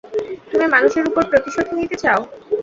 তুমি মানুষের উপর প্রতিশোধ নিতে চাও?